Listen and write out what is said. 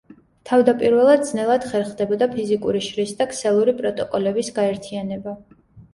თავდაპირველად ძნელად ხერხდებოდა ფიზიკური შრის და ქსელური პროტოკოლების გაერთიანება.